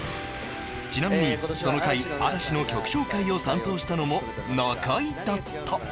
ちなみにその回嵐の曲紹介を担当したのも中居だった